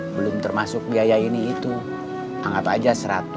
belum termasuk biaya ini itu angkat aja seratus